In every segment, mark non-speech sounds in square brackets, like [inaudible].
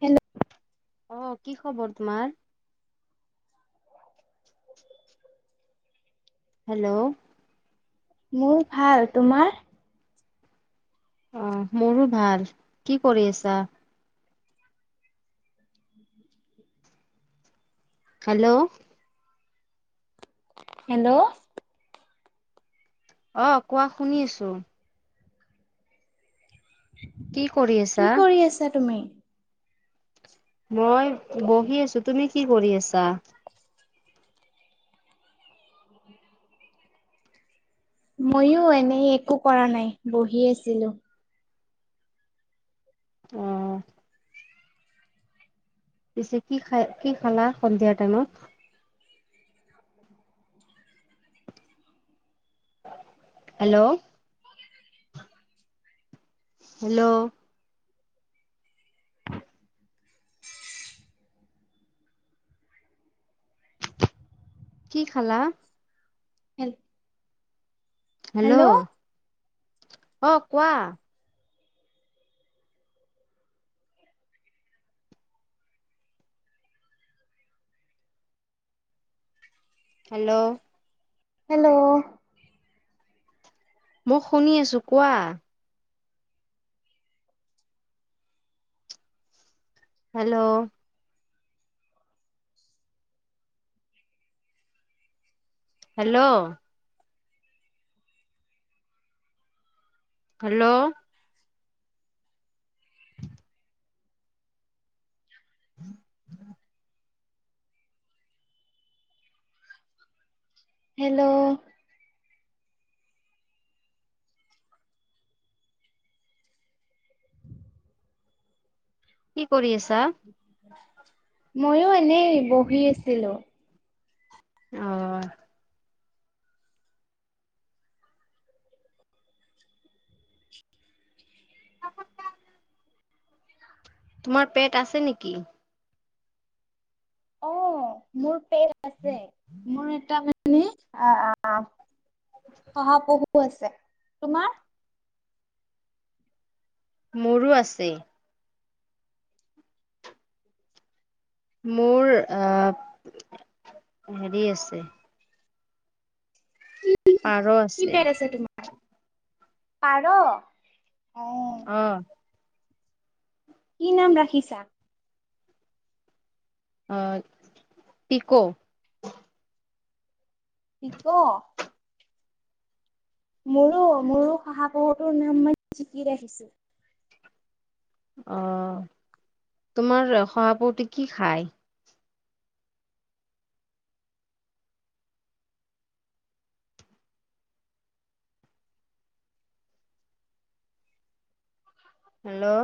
Hello. অঁ কি খবৰ তোমাৰ? হেল্ল। মোৰ ভাল, তোমাৰ? অঁ মোৰো ভাল, কি কৰি আছা? হেল্ল। হেল্ল। অঁ কোৱা শুনি আছো। কি কৰি কি আছা কৰি আছা তুমি? মই বহি আছো, তুমি কি কৰি আছা? মইো এনেই, একো কৰা নাই বহি আছিলো। অঁ। পিছে কি খাই কি খালা সন্ধিয়া টাইমত। হেল্ল। হেল্ল। [unintelligible] কি খালা? হেল্ হেল্ল' অঁ কোৱা হেল্ল' হেল্ল' মই শুনি আছো কোৱা হেল্ল' হেল্ল' হেল্ল' [unintelligible] হেল্ল' কি কৰি আছা ময়ো এনেই বহি আছিলো অ [unintelligible] তোমাৰ পেট আছে নিকি অ মোৰ পেট আছে মোৰ এটা মান- নি আ আ আ শহাপহু আছে তোমাৰ মোৰো আছে মোৰ আহ হেৰি আছে কি পেট আছে তোমাৰ পাৰ অহ অ কি নাম ৰাখিছা অই পিকৌ পি-ক মোৰো মোৰো শহাপহুটোৰ নাম মই জিকি ৰাখিছো অ তোমাৰ শহাপহুটো কি খায় হেল্ল'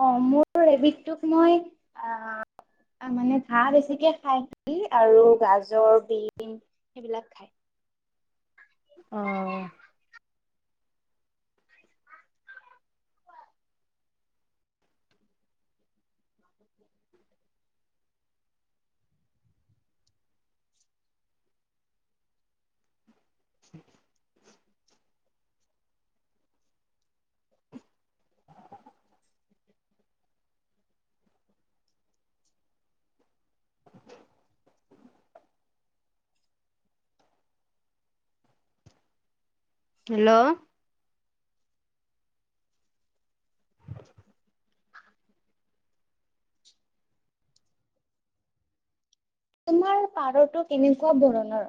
অ মোৰ ৰেবিদটোক মই আহ মানে ঘাঁহ বেছিকে খাই সি আৰু গাজৰ বিন সেইবিলাক খায় অ [unintelligible] [unintelligible] [unintelligible] হেল্ল' [unintelligible] তোমাৰ পাৰটো কেনেকুৱা বৰণৰ